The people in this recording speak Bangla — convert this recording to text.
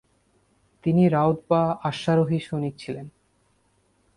তিনি রাউত বা অশ্বারোহী সৈনিক ছিলেন।